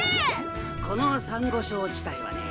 このサンゴ礁地帯はね